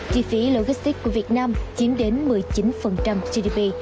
chi phí logistics của việt nam chiếm đến một mươi chín gdp